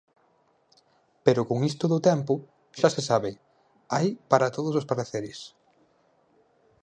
Pero con isto do tempo, xa se sabe, hai para todos os pareceres.